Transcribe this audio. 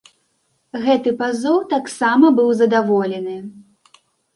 Гэты пазоў таксама быў задаволены.